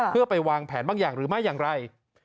เพื่อไปวางแผนบางอย่างหรือไม่อย่างไร